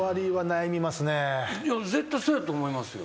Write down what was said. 絶対そうやと思いますよ。